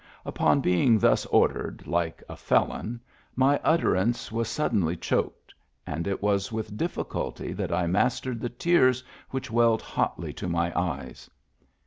Upon being thus ordered, like a felon, my utterance was suddenly choked, and it was with difficulty that I mastered the tears which welled hotly to my eyes.